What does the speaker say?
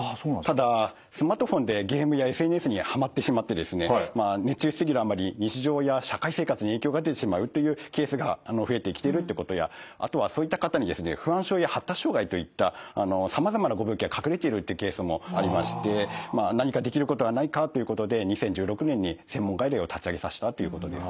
ただスマートフォンでゲームやＳＮＳにはまってしまってですね熱中し過ぎるあまり日常や社会生活に影響が出てしまうっていうケースが増えてきてるっていうことやあとはそういった方にですね不安症や発達障害といったさまざまなご病気が隠れているっていうケースもありまして何かできることはないかということで２０１６年に専門外来を立ち上げさせたということです。